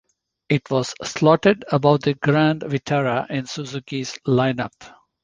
It was slotted above the Grand Vitara in Suzuki's lineup.